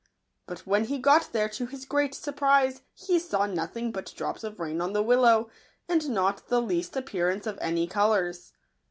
But when he got there, to his great surprise he saw no thing but drops of rain on the willow, and not the least appearance of any colours.